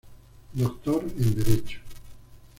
Doctor en derecho.